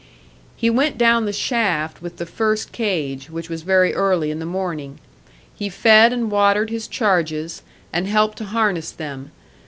He went down the shaft with the first cage, which was very early in the morning. He fed and watered his charges, and helped to harness them.